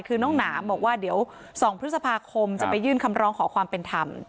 คือน้องหนามบอกว่าเดี๋ยว๒พฤษภาคมจะไปยื่นคำร้องขอความเป็นธรรม